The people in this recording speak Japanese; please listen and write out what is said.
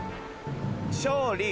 勝利。